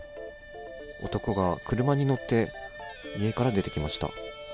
男が車に乗って、家から出てきました。